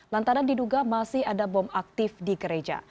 lantaran diduga masih ada bom aktif di gereja